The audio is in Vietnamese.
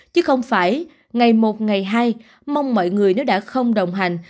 chứ không phải ngày một ngày hai mong mọi người nếu đã không đồng hành